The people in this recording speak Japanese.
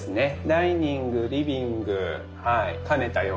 ダイニングリビングはい兼ねたような。